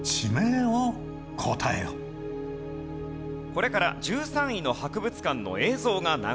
これから１３位の博物館の映像が流れます。